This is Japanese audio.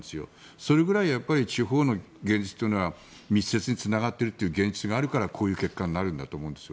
それぐらい地方の現実は密接につながっているという現実があるからこういう結果になるんだと思うんです。